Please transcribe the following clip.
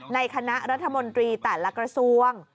ในคณะรัฐมนตรีแต่ละกระทรวง